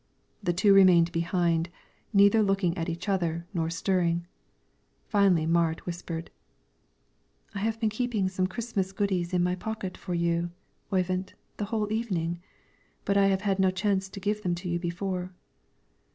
The two remained behind, neither looking at each other, nor stirring. Finally Marit whispered: "I have been keeping some Christmas goodies in my pocket for you, Oyvind, the whole evening, but I have had no chance to give them to you before."